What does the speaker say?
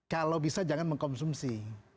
kalau bisa jangan mengkonsumsi